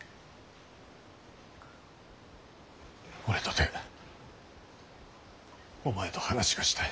俺とてお前と話がしたい。